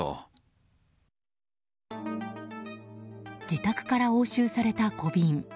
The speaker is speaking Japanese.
自宅から押収された小瓶。